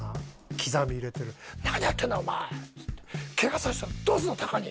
刻み入れてる「何やってんだお前！」っつって「ケガさせたらどうすんだタカに！」